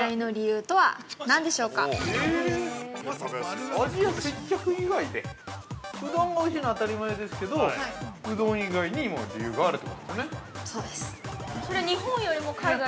うどんがおいしいのは当たり前ですけどうどん以外にも理由があるということですね。